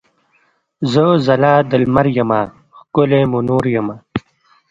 زه ځلا د لمر یمه ښکلی مونور یمه.